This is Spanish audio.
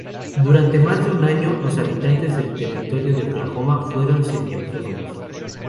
Durante más de un año los habitantes del Territorio de Oklahoma fueron semi-autónomos.